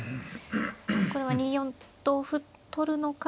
これは２四同歩取るのか